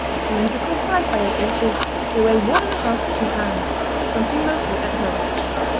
Cylindrical, five by eight inches, they weigh one and a half to two pounds. Consumed mostly at home.